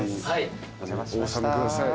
お納めください。